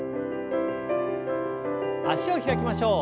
脚を開きましょう。